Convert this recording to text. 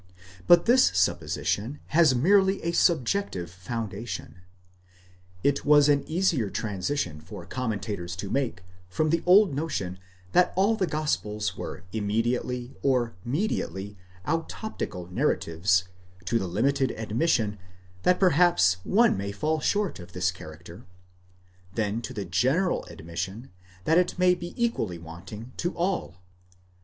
But this supposition has merely a subjective founda tion. It was an easier transition for commentators to make from the old notion that all the gospels were immediately or mediately autoptical narra tives, to the limited admission that perhaps one may fall short of this charac ter, than to the general admission that it may be equally wanting to all.